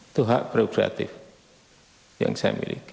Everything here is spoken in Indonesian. itu hak prerogatif yang saya miliki